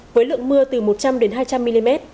với lượng mưa từ một trăm linh đến hai trăm linh mm